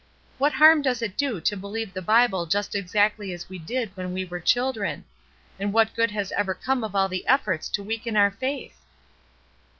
What harm does it do to believe the Bible just exactly as we did when we were children; and what good has ever come of all the efforts to weaken our faith?"